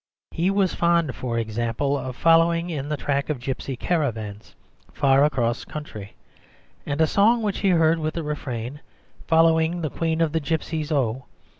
He was fond, for example, of following in the track of gipsy caravans, far across country, and a song which he heard with the refrain, "Following the Queen of the Gipsies oh!"